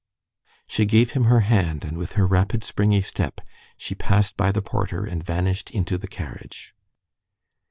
_" She gave him her hand, and with her rapid, springy step she passed by the porter and vanished into the carriage.